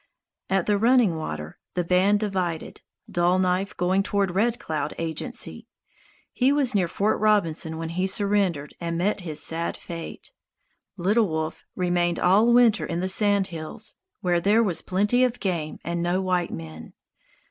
At the Running Water the band divided, Dull Knife going toward Red Cloud agency. He was near Fort Robinson when he surrendered and met his sad fate. Little Wolf remained all winter in the Sand Hills, where there was plenty of game and no white men.